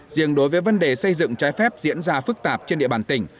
riêng đối với vấn đề xây dựng trái phép diễn ra phức tạp trên địa bàn tỉnh